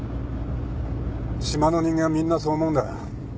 島の人間はみんなそう思うんだ。